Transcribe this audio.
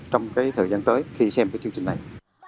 trong thời gian tới khi xem chương trình này